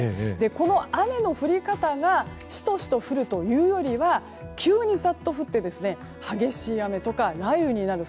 この雨の降り方がシトシト降るというよりは急にざっと降って激しい雨とか、雷雨になる。